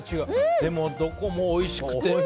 でも、どこもおいしくて。